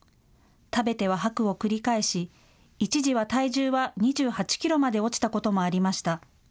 食べては吐くを繰り返し、一時は体重は２８キロまで落ちたこともありました。